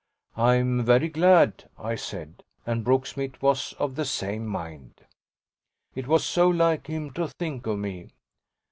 "I'm very glad," I said, and Brooksmith was of the same mind: "It was so like him to think of me."